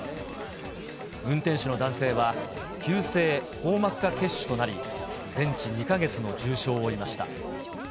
運転手の男性は、急性硬膜下血腫となり、全治２か月の重傷を負いました。